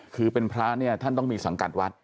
คือเป็นพระเนี่ยท่านต้องมีสังกัดวัด